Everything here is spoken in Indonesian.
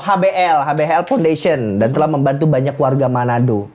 hbl hbhl foundation dan telah membantu banyak warga manado